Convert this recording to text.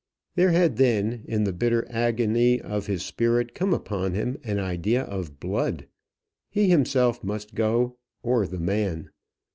There had then, in the bitter agony of his spirit, come upon him an idea of blood. He himself must go, or the man.